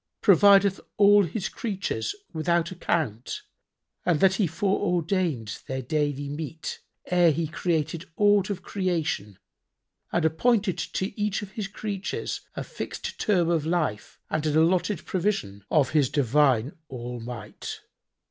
provideth all His creatures without account and that He fore ordained their daily meat ere He created aught of creation and appointed to each of His creatures a fixed term of life and an allotted provision, of His divine All might?